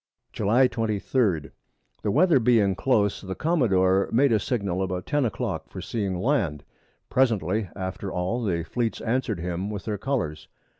July 23. The Weather being close, the Commadore made a Signal about 10 a Clock for seeing Land; presently after all the Fleet answer'd him with their Colours.